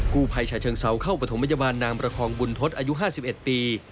กู้ไพชะเชิงเศาเข้าปฐมยาวานนามประคองบุญทศอายุ๕๑ปี